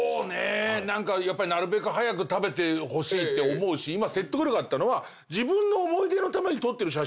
やっぱりなるべく早く食べてほしいって思うし今説得力あったのは。